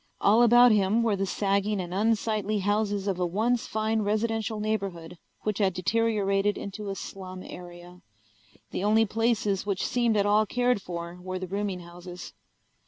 All about him were the sagging and unsightly houses of a once fine residential neighborhood which had deteriorated into a slum area. The only places which seemed at all cared for were the rooming houses.